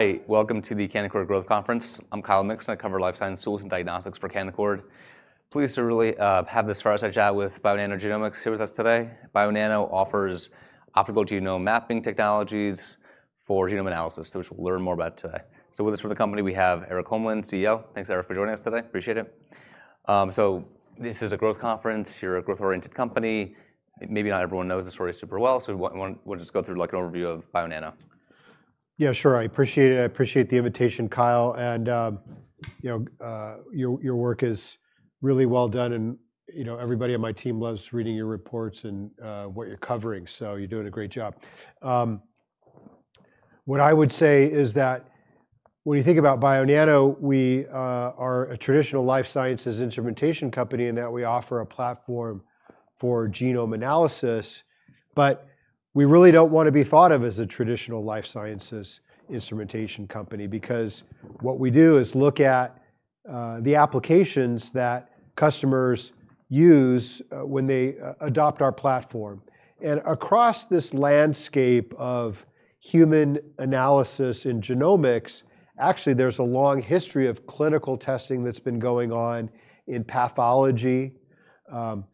Hey, welcome to the Canaccord Growth Conference. I'm Kyle Mixon. I cover life science, tools, and diagnostics for Canaccord. Pleased to really have this fireside chat with Bionano Genomics here with us today. Bionano offers optical genome mapping technologies for genome analysis, which we'll learn more about today. With us from the company, we have Erik Holmlin, CEO. Thanks, Erik, for joining us today. Appreciate it. This is a growth conference. You're a growth-oriented company. Maybe not everyone knows the story super well, so we want to just go through like an overview of Bionano. Yeah, sure. I appreciate it. I appreciate the invitation, Kyle. You know, your work is really well done, and you know, everybody on my team loves reading your reports and what you're covering. You're doing a great job. What I would say is that when you think about Bionano, we are a traditional life sciences instrumentation company in that we offer a platform for genome analysis, but we really don't want to be thought of as a traditional life sciences instrumentation company because what we do is look at the applications that customers use when they adopt our platform. Across this landscape of human analysis and genomics, actually, there's a long history of clinical testing that's been going on in pathology,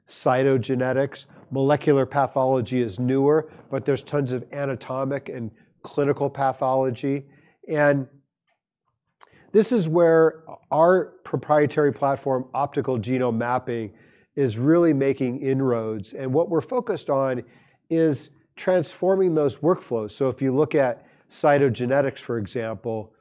cytogenetics. Molecular pathology is newer, but there's tons of anatomic and clinical pathology. This is where our proprietary platform, optical genome mapping, is really making inroads. What we're focused on is transforming those workflows. If you look at cytogenetics, for example,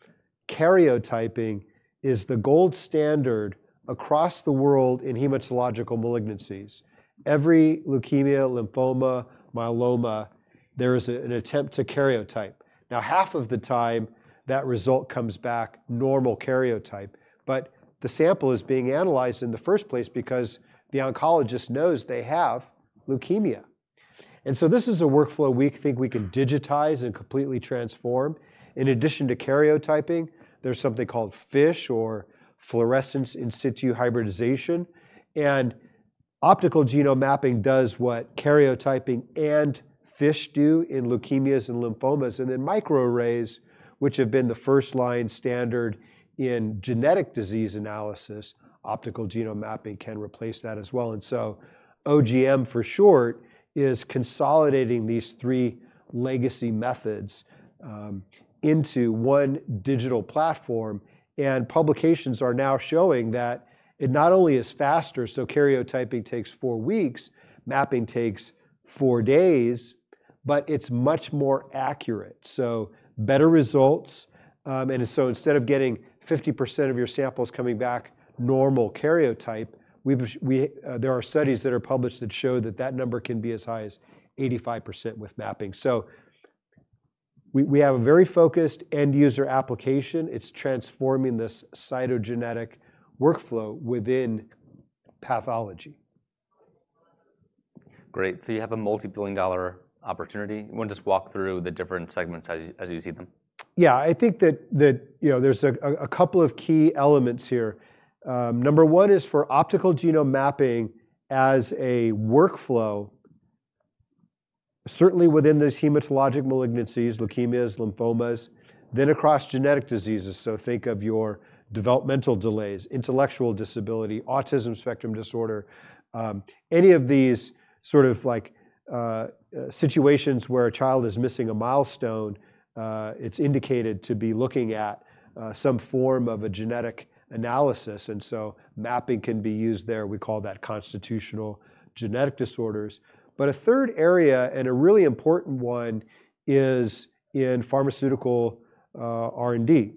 karyotyping is the gold standard across the world in hematologic malignancies. Every leukemia, lymphoma, myeloma, there is an attempt to karyotype. Now, half of the time, that result comes back normal karyotype, but the sample is being analyzed in the first place because the oncologist knows they have leukemia. This is a workflow we think we can digitize and completely transform. In addition to karyotyping, there's something called FISH or fluorescence in situ hybridization. Optical genome mapping does what karyotyping and FISH do in leukemias and lymphomas. Microarrays, which have been the first line standard in genetic disease analysis, optical genome mapping can replace that as well. OGM for short is consolidating these three legacy methods into one digital platform. Publications are now showing that it not only is faster, so karyotyping takes four weeks, mapping takes four days, but it's much more accurate. Better results. Instead of getting 50% of your samples coming back normal karyotype, there are studies that are published that show that that number can be as high as 85% with mapping. We have a very focused end-user application. It's transforming this cytogenetic workflow within pathology. Great. You have a multi-billion dollar opportunity. You want to just walk through the different segments as you see them? Yeah, I think that, you know, there's a couple of key elements here. Number one is for optical genome mapping as a workflow, certainly within those hematologic malignancies, leukemias, lymphomas, then across genetic diseases. Think of your developmental delays, intellectual disability, autism spectrum disorder. Any of these sort of situations where a child is missing a milestone, it's indicated to be looking at some form of a genetic analysis. Mapping can be used there. We call that constitutional genetic disorders. A third area and a really important one is in pharmaceutical R&D.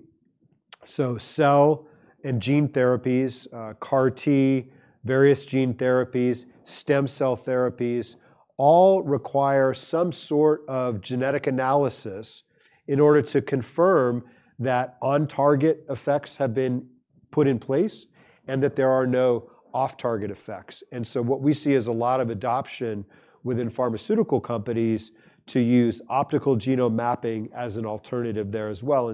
Cell and gene therapies, CAR-T, various gene therapies, stem cell therapies, all require some sort of genetic analysis in order to confirm that on-target effects have been put in place and that there are no off-target effects. What we see is a lot of adoption within pharmaceutical companies to use optical genome mapping as an alternative there as well.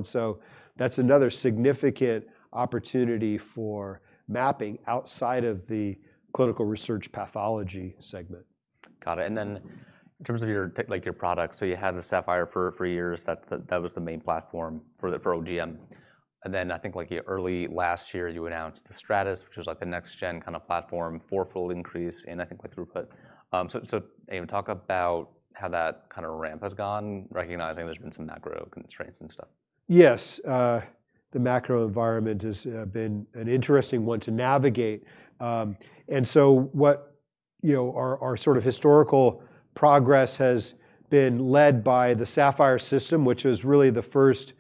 That's another significant opportunity for mapping outside of the clinical research pathology segment. Got it. In terms of your products, you had the Saphyr for three years. That was the main platform for OGM. I think early last year you announced the Stratus, which was the next-gen kind of platform, four-fold increase in, I think, throughput. Can you talk about how that kind of ramp has gone, recognizing there's been some macro constraints and stuff? Yes. The macro environment has been an interesting one to navigate. What, you know, our sort of historical progress has been led by the Saphyr System, which is really the first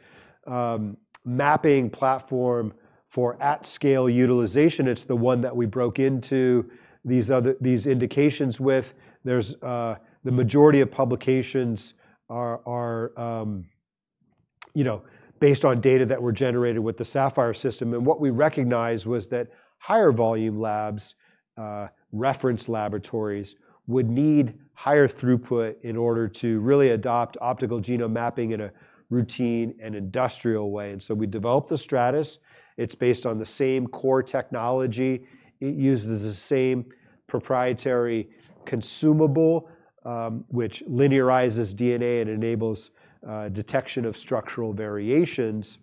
mapping platform for at-scale utilization. It's the one that we broke into these other indications with. The majority of publications are, you know, based on data that were generated with the Saphyr System. What we recognized was that higher volume labs, reference laboratories would need higher throughput in order to really adopt optical genome mapping in a routine and industrial way. We developed the Stratus. It's based on the same core technology. It uses the same proprietary consumable, which linearizes DNA and enables detection of structural variations.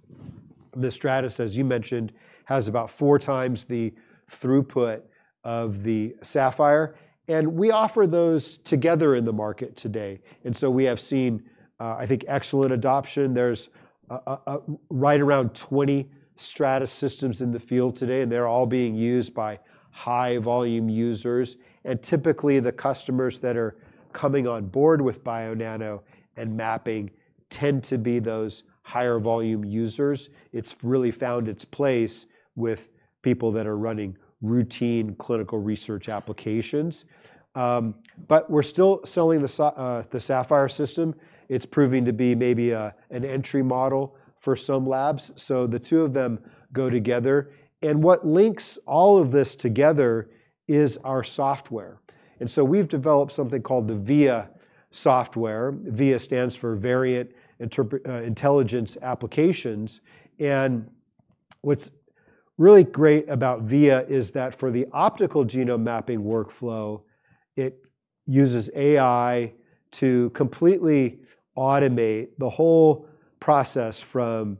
The Stratus, as you mentioned, has about four times the throughput of the Saphyr. We offer those together in the market today. We have seen, I think, excellent adoption. There's right around 20 Stratus Systems in the field today, and they're all being used by high-volume users. Typically, the customers that are coming on board with Bionano and mapping tend to be those higher volume users. It's really found its place with people that are running routine clinical research applications. We're still selling the Saphyr System. It's proving to be maybe an entry model for some labs. The two of them go together. What links all of this together is our software. We've developed something called the VIA software. VIA stands for Variant Intelligence Applications. What's really great about VIA is that for the optical genome mapping workflow, it uses AI to completely automate the whole process from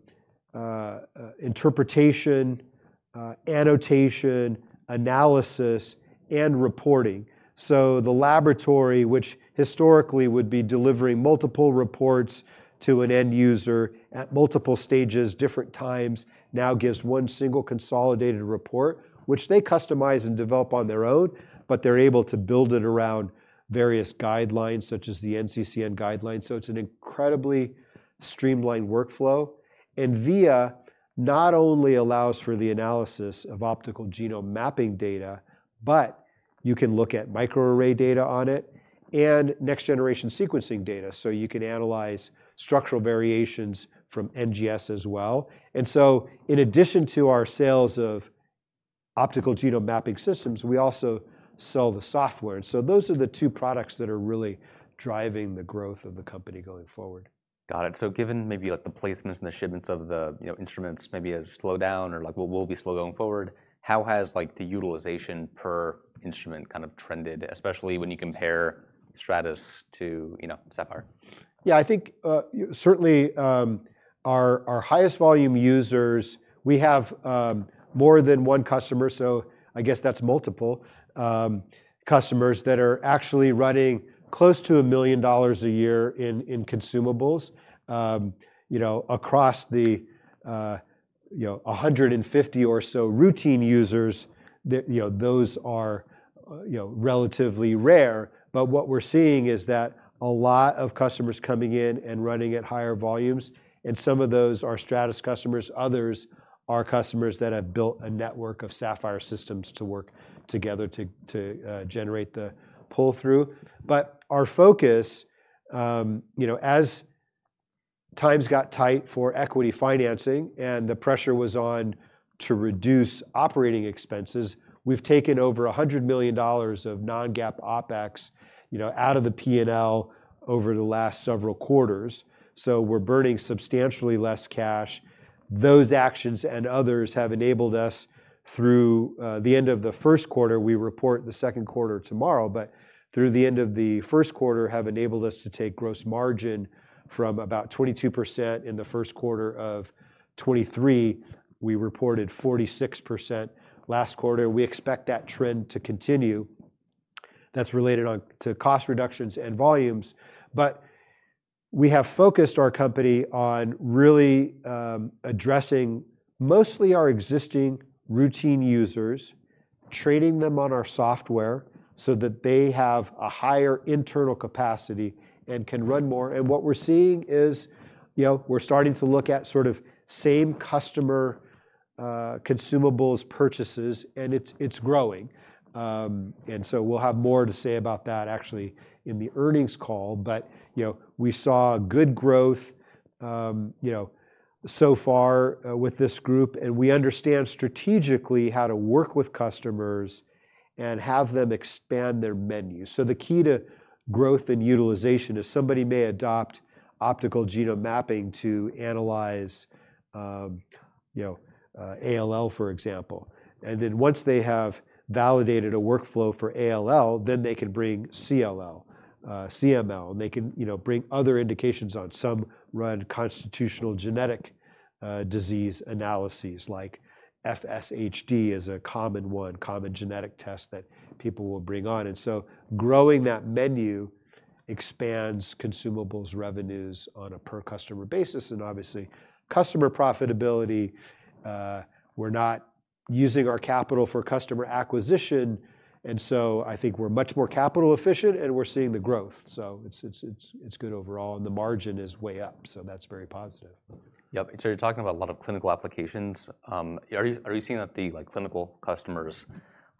interpretation, annotation, analysis, and reporting. The laboratory, which historically would be delivering multiple reports to an end user at multiple stages, different times, now gives one single consolidated report, which they customize and develop on their own, but they're able to build it around various guidelines such as the NCCN guidelines. It's an incredibly streamlined workflow. VIA not only allows for the analysis of optical genome mapping data, but you can look at microarray data on it and next-generation sequencing data. You can analyze structural variations from NGS as well. In addition to our sales of optical genome mapping systems, we also sell the software. Those are the two products that are really driving the growth of the company going forward. Got it. Given maybe like the placements and the shipments of the instruments, maybe a slowdown or like what will be slow going forward, how has the utilization per instrument kind of trended, especially when you compare Stratus to, you know, Saphyr? Yeah, I think, certainly, our highest volume users, we have more than one customer. I guess that's multiple customers that are actually running close to $1 million a year in consumables. You know, across the, you know, 150 or so routine users, those are relatively rare. What we're seeing is that a lot of customers are coming in and running at higher volumes, and some of those are Stratus customers, others are customers that have built a network of Saphyr Systems to work together to generate the pull-through. Our focus, as times got tight for equity financing and the pressure was on to reduce operating expenses, we've taken over $100 million of non-GAAP operating expenses out of the P&L over the last several quarters. We're burning substantially less cash. Those actions and others have enabled us through the end of the first quarter. We report the second quarter tomorrow, but through the end of the first quarter have enabled us to take gross margin from about 22% in the first quarter of 2023. We reported 46% last quarter. We expect that trend to continue. That's related to cost reductions and volumes. We have focused our company on really addressing mostly our existing routine users, training them on our software so that they have a higher internal capacity and can run more. What we're seeing is, we're starting to look at sort of same customer consumables purchases, and it's growing. We'll have more to say about that actually in the earnings call. We saw good growth so far with this group. We understand strategically how to work with customers and have them expand their menu. The key to growth and utilization is somebody may adopt optical genome mapping to analyze, you know, ALL, for example. Once they have validated a workflow for ALL, then they can bring CLL, CML, and they can bring other indications on, some run constitutional genetic disease analyses like FSHD is a common one, common genetic test that people will bring on. Growing that menu expands consumables revenues on a per-customer basis. Obviously, customer profitability, we're not using our capital for customer acquisition. I think we're much more capital efficient and we're seeing the growth. It's good overall and the margin is way up. That's very positive. Yep. You're talking about a lot of clinical applications. Are you seeing that the clinical customers,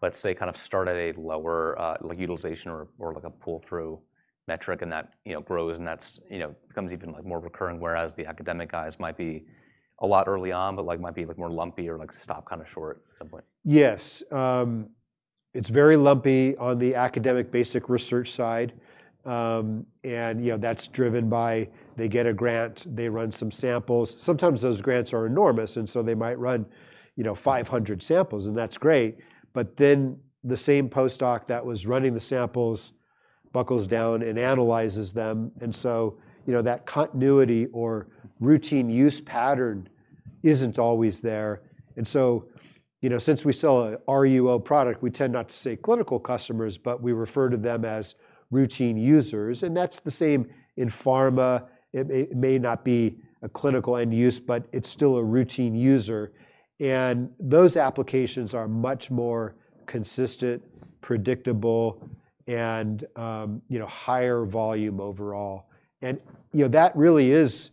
let's say, kind of start at a lower utilization or a pull-through metric and that grows and becomes even more recurrent, whereas the academic guys might be a lot early on but might be more lumpy or stop kind of short at some point? Yes, it's very lumpy on the academic basic research side, and you know, that's driven by they get a grant, they run some samples. Sometimes those grants are enormous, and so they might run, you know, 500 samples and that's great. Then the same postdoc that was running the samples buckles down and analyzes them. That continuity or routine use pattern isn't always there. Since we sell an RUO product, we tend not to say clinical customers, but we refer to them as routine users. That's the same in pharma. It may not be a clinical end use, but it's still a routine user, and those applications are much more consistent, predictable, and, you know, higher volume overall. That really is,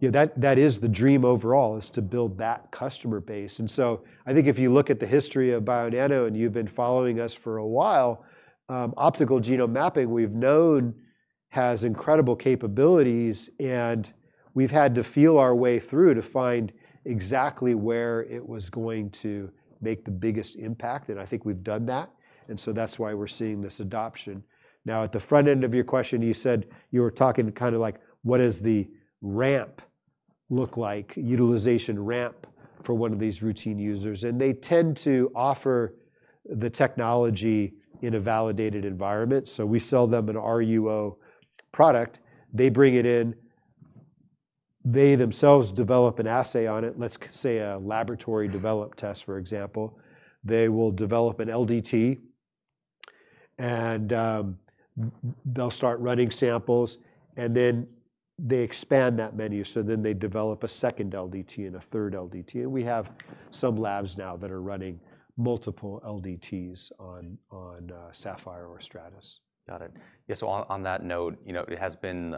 you know, that is the dream overall, to build that customer base. I think if you look at the history of Bionano and you've been following us for a while, optical genome mapping, we've known has incredible capabilities and we've had to feel our way through to find exactly where it was going to make the biggest impact. I think we've done that, and that's why we're seeing this adoption. Now at the front end of your question, you said you were talking kind of like, what does the ramp look like, utilization ramp for one of these routine users? They tend to offer the technology in a validated environment. We sell them an RUO product. They bring it in. They themselves develop an assay on it. Let's say a laboratory developed test, for example. They will develop an LDT and they'll start running samples and then they expand that menu. Then they develop a second LDT and a third LDT. We have some labs now that are running multiple LDTs on Saphyr or Stratus. Got it. Yeah. On that note, it has been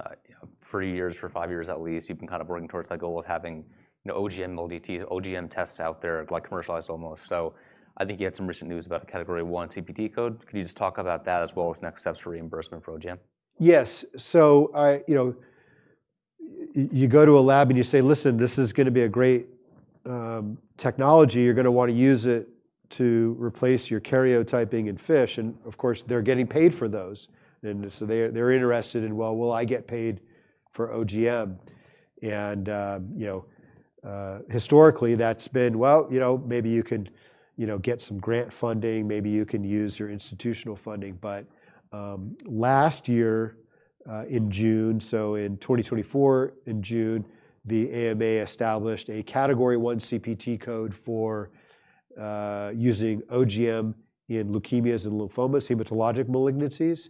three years, for five years at least, you've been kind of working towards that goal of having OGM LDTs, OGM tests out there, like commercialized almost. I think you had some recent news about Category I CPT code. Can you just talk about that as well as next steps for reimbursement for OGM? Yes. You go to a lab and you say, listen, this is going to be a great technology. You're going to want to use it to replace your karyotyping and FISH. Of course, they're getting paid for those, and so they're interested in, will I get paid for OGM? Historically, that's been, well, maybe you can get some grant funding, maybe you can use your institutional funding. Last year, in June, so in 2023, the AMA established a Category I CPT code for using OGM in leukemias and lymphomas, hematologic malignancies.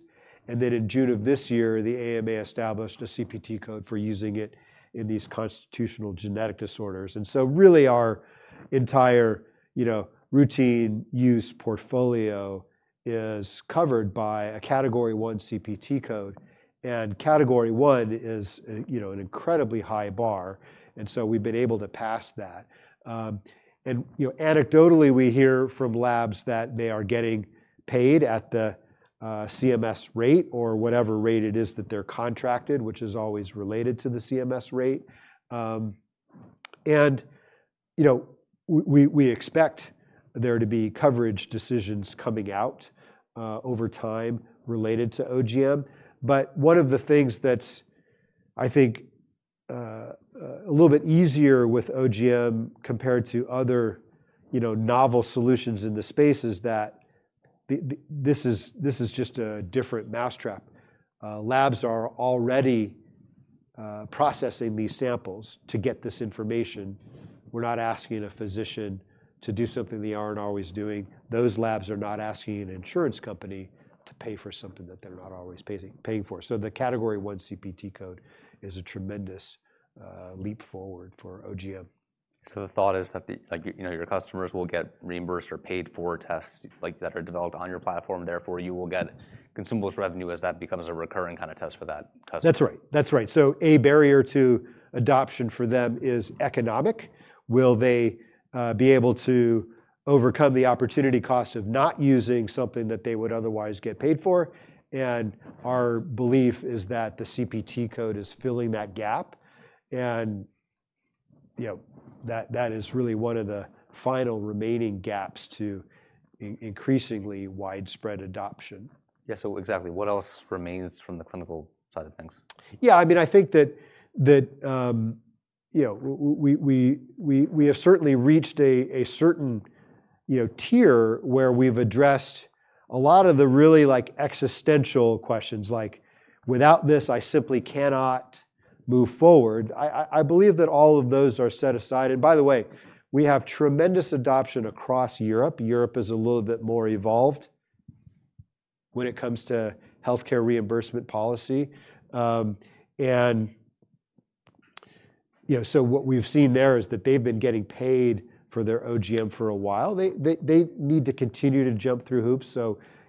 In June of this year, the AMA established a CPT code for using it in these constitutional genetic disorders. Really, our entire routine use portfolio is covered by a Category I CPT code. Category I is an incredibly high bar, and we've been able to pass that. Anecdotally, we hear from labs that they are getting paid at the CMS rate or whatever rate it is that they're contracted, which is always related to the CMS rate. We expect there to be coverage decisions coming out over time related to OGM. One of the things that's, I think, a little bit easier with OGM compared to other novel solutions in the space is that this is just a different mousetrap. Labs are already processing these samples to get this information. We're not asking a physician to do something they aren't always doing. Those labs are not asking an insurance company to pay for something that they're not always paying for. The Category I CPT code is a tremendous leap forward for OGM. The thought is that your customers will get reimbursed or paid for tests that are developed on your platform. Therefore, you will get consumables revenue as that becomes a recurring kind of test for that customer. That's right. A barrier to adoption for them is economic. Will they be able to overcome the opportunity cost of not using something that they would otherwise get paid for? Our belief is that the CPT code is filling that gap, and that is really one of the final remaining gaps to increasingly widespread adoption. Yeah, exactly. What else remains from the clinical side of things? Yeah, I mean, I think that we have certainly reached a certain tier where we've addressed a lot of the really existential questions, like without this, I simply cannot move forward. I believe that all of those are set aside. By the way, we have tremendous adoption across Europe. Europe is a little bit more evolved when it comes to healthcare reimbursement policy, and what we've seen there is that they've been getting paid for their OGM for a while. They need to continue to jump through hoops.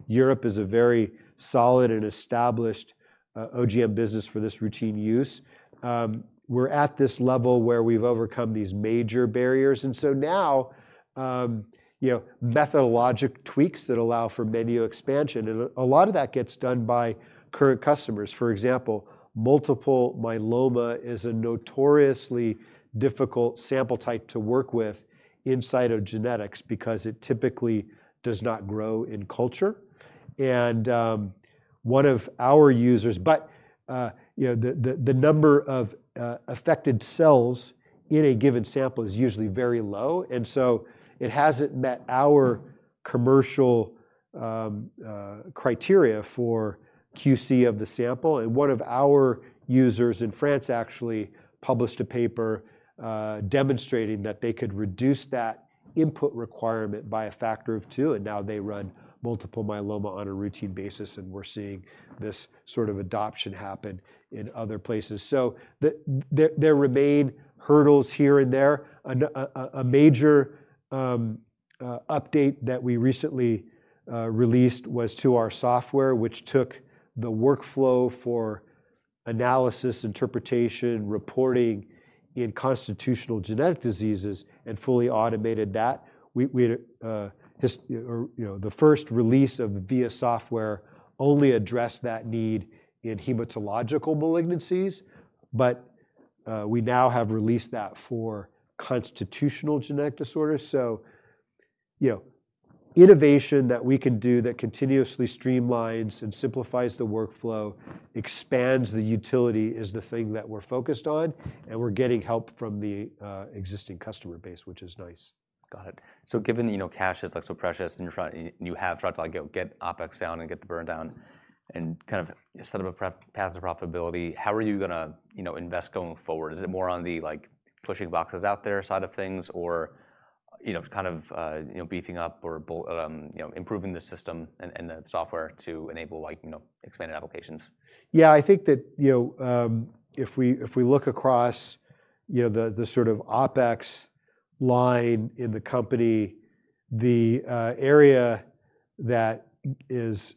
Europe is a very solid and established OGM business for this routine use. We're at this level where we've overcome these major barriers. Now, methodologic tweaks that allow for menu expansion, a lot of that gets done by current customers. For example, multiple myeloma is a notoriously difficult sample type to work with in cytogenetics because it typically does not grow in culture. The number of affected cells in a given sample is usually very low, so it hasn't met our commercial criteria for QC of the sample. One of our users in France actually published a paper demonstrating that they could reduce that input requirement by a factor of two, and now they run multiple myeloma on a routine basis. We're seeing this sort of adoption happen in other places. There remain hurdles here and there. A major update that we recently released was to our software, which took the workflow for analysis, interpretation, reporting in constitutional genetic diseases and fully automated that. We had a history, or the first release of VIA software only addressed that need in hematologic malignancies, but we now have released that for constitutional genetic disorders. Innovation that we can do that continuously streamlines and simplifies the workflow, expands the utility, is the thing that we're focused on. We're getting help from the existing customer base, which is nice. Got it. Given, you know, cash is like so precious and you're trying, you have tried to get OpEx down and get the burn down and kind of set up a path of profitability. How are you going to invest going forward? Is it more on the pushing boxes out there side of things or kind of beefing up or improving the system and the software to enable expanded applications? Yeah, I think that if we look across the sort of OpEx line in the company, the area that is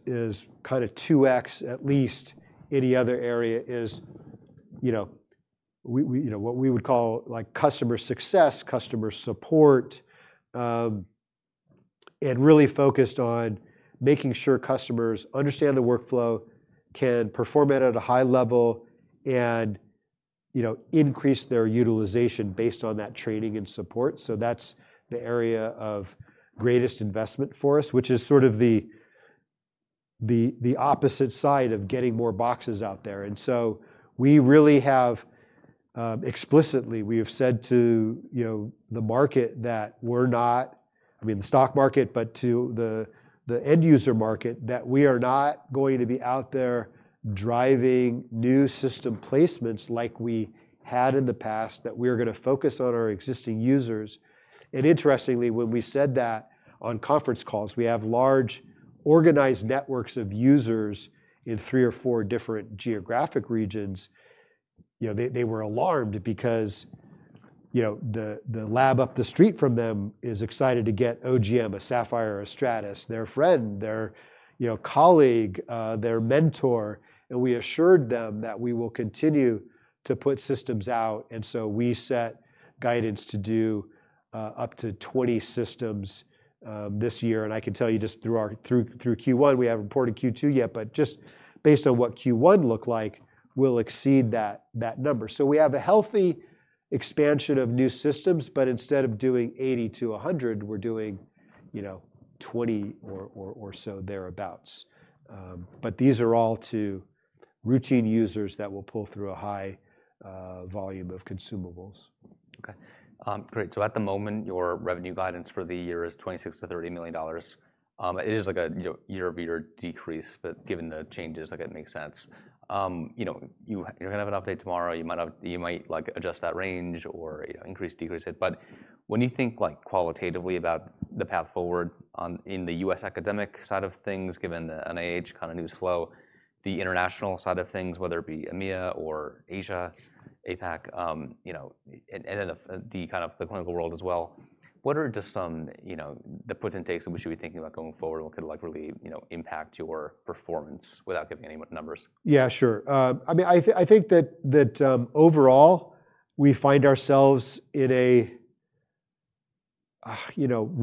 kind of 2x at least any other area is what we would call like customer success, customer support, and really focused on making sure customers understand the workflow, can perform it at a high level, and increase their utilization based on that training and support. That's the area of greatest investment for us, which is sort of the opposite side of getting more boxes out there. We really have, explicitly, we have said to the market that we're not, I mean the stock market, but to the end user market that we are not going to be out there driving new system placements like we had in the past, that we are going to focus on our existing users. Interestingly, when we said that on conference calls, we have large organized networks of users in three or four different geographic regions. They were alarmed because the lab up the street from them is excited to get OGM, a Saphyr, or a Stratus, their friend, their colleague, their mentor. We assured them that we will continue to put systems out. We set guidance to do up to 20 systems this year. I can tell you just through our, through Q1, we haven't reported Q2 yet, but just based on what Q1 looked like, we'll exceed that number. We have a healthy expansion of new systems, but instead of doing 80-100, we're doing 20 or so thereabouts. These are all to routine users that will pull through a high volume of consumables. Okay, great. At the moment, your revenue guidance for the year is $26 million-$30 million. It is like a, you know, year-over-year decrease, but given the changes, it makes sense. You know, you're going to have an update tomorrow. You might adjust that range or, you know, increase, decrease it. When you think qualitatively about the path forward on the U.S. academic side of things, given the NIH kind of news flow, the international side of things, whether it be AMIA or Asia, APAC, and then the clinical world as well, what are just some, you know, the puts and takes that we should be thinking about going forward? What could really impact your performance without giving any numbers? Yeah, sure. I mean, I think that overall we find ourselves in a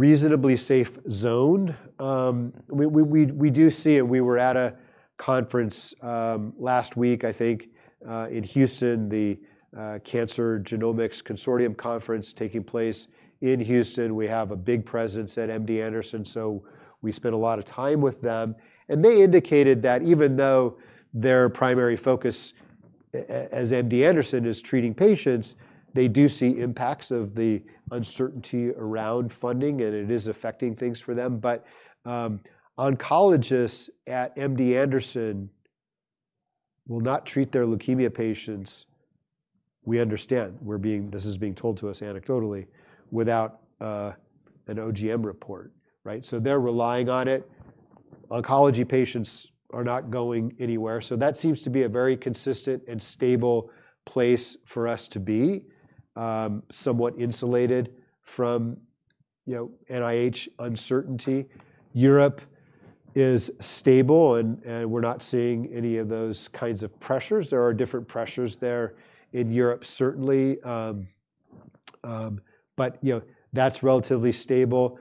reasonably safe zone. We do see it. We were at a conference last week, I think, in Houston, the Cancer Genomics Consortium Conference taking place in Houston. We have a big presence at MD Anderson. We spent a lot of time with them, and they indicated that even though their primary focus as MD Anderson is treating patients, they do see impacts of the uncertainty around funding, and it is affecting things for them. Oncologists at MD Anderson will not treat their leukemia patients, we understand, we're being told this anecdotally, without an OGM report, right? They're relying on it. Oncology patients are not going anywhere. That seems to be a very consistent and stable place for us to be, somewhat insulated from NIH uncertainty. Europe is stable, and we're not seeing any of those kinds of pressures. There are different pressures there in Europe, certainly, but that's relatively stable.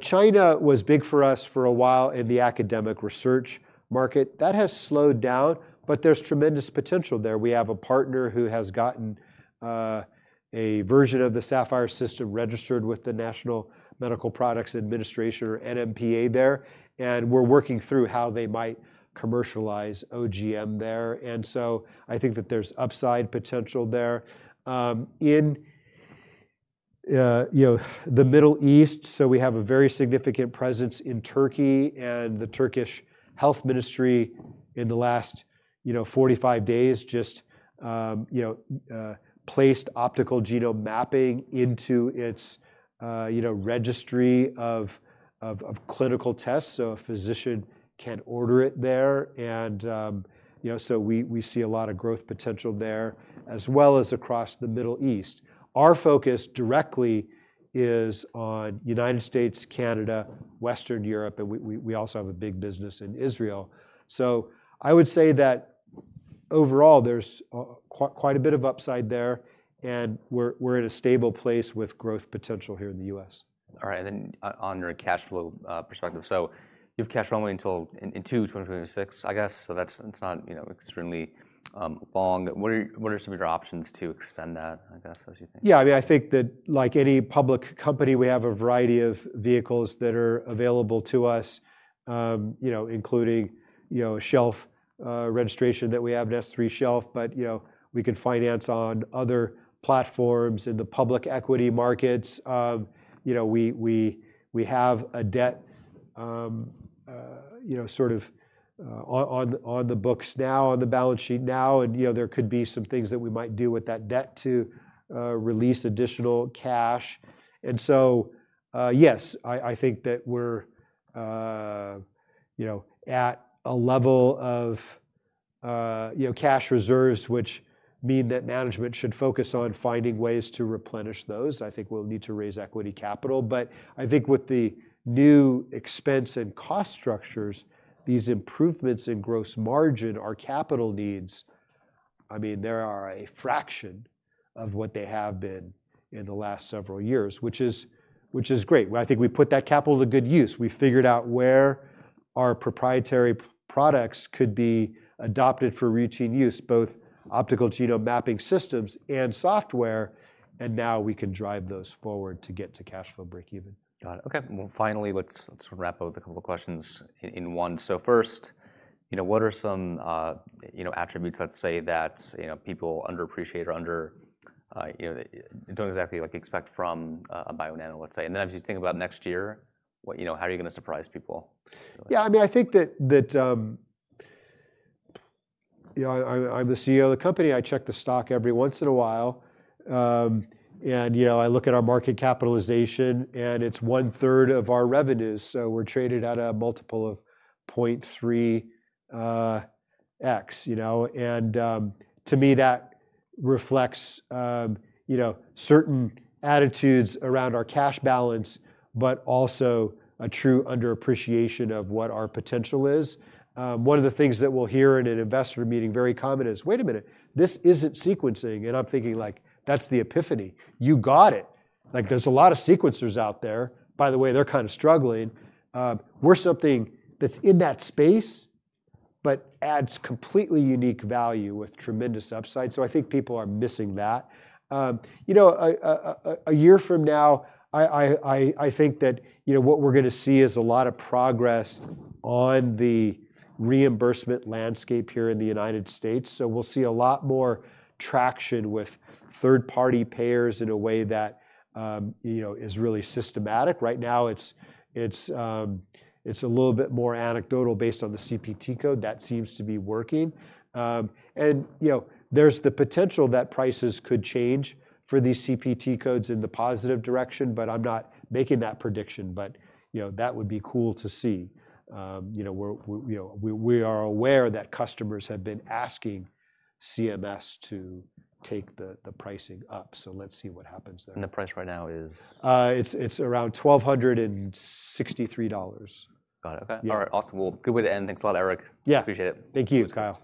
China was big for us for a while in the academic research market. That has slowed down, but there's tremendous potential there. We have a partner who has gotten a version of the Saphyr System registered with the National Medical Products Administration, or NMPA, there, and we're working through how they might commercialize OGM there. I think that there's upside potential there. In the Middle East, we have a very significant presence in Turkey, and the Turkish Health Ministry in the last 45 days just placed optical genome mapping into its registry of clinical tests. A physician can order it there, and we see a lot of growth potential there as well as across the Middle East. Our focus directly is on the United States, Canada, Western Europe, and we also have a big business in Israel. I would say that overall there's quite a bit of upside there, and we're in a stable place with growth potential here in the U.S. All right. On your cash flow perspective, you have cash flow only until in, in 2026, I guess. That's not, you know, extremely long. What are some of your options to extend that, I guess, as you think? Yeah, I mean, I think that like any public company, we have a variety of vehicles that are available to us, including a shelf registration that we have, an S-3 shelf, but we can finance on other platforms in the public equity markets. We have a debt on the books now, on the balance sheet now. There could be some things that we might do with that debt to release additional cash. Yes, I think that we're at a level of cash reserves, which mean that management should focus on finding ways to replenish those. I think we'll need to raise equity capital. I think with the new expense and cost structures, these improvements in gross margin, our capital needs, I mean, they are a fraction of what they have been in the last several years, which is great. I think we put that capital to good use. We figured out where our proprietary products could be adopted for routine use, both optical genome mapping systems and software. Now we can drive those forward to get to cash flow break even. Got it. Okay. Finally, let's wrap up with a couple of questions in one. First, what are some attributes that people underappreciate or don't exactly expect from Bionano, let's say? As you think about next year, how are you going to surprise people? Yeah, I mean, I think that, you know, I'm the CEO of the company. I check the stock every once in a while, and, you know, I look at our market capitalization and it's one third of our revenues. We're traded at a multiple of 0.3x, you know, and to me, that reflects certain attitudes around our cash balance, but also a true underappreciation of what our potential is. One of the things that we'll hear in an investor meeting very common is, wait a minute, this isn't sequencing. I'm thinking like, that's the epiphany. You got it. There are a lot of sequencers out there. By the way, they're kind of struggling. We're something that's in that space but adds completely unique value with tremendous upside. I think people are missing that. A year from now, I think that what we're going to see is a lot of progress on the reimbursement landscape here in the U.S. We'll see a lot more traction with third-party payers in a way that is really systematic. Right now, it's a little bit more anecdotal based on the CPT code that seems to be working, and there's the potential that prices could change for these CPT codes in the positive direction, but I'm not making that prediction. That would be cool to see. We are aware that customers have been asking CMS to take the pricing up. Let's see what happens there. What is the price right now? It's around $1,263. Got it. Okay. All right. Awesome. Good way to end. Thanks a lot, Erik. Yeah. Appreciate it. Thank you, Kyle.